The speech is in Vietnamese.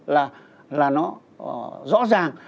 là nó rõ ràng